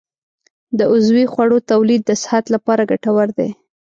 د عضوي خوړو تولید د صحت لپاره ګټور دی.